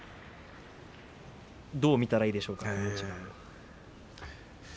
どう見たらいいですか？